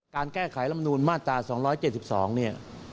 การแก้ไขลำนูนมาตราสองร้อยเจ็ดสิบสองเนี่ย